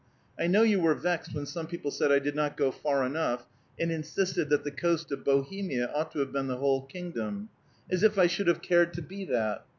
I know you were vexed when some people said I did not go far enough, and insisted that the coast of Bohemia ought to have been the whole kingdom. As if I should have cared to be that!